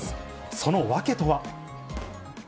その訳とは。